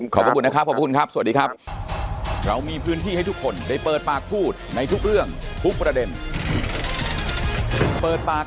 ครับขอบคุณนะครับสำหรับข้อมูลนะครับท่านเรขาเขาจริงครับ